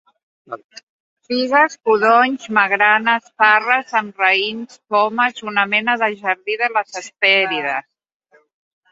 Figues, codonys, magranes, parres amb raïms, pomes, una mena de jardí de les Hespèrides.